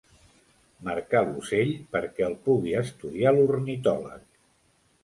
Marcar l'ocell perquè el pugui estudiar l'ornitòleg.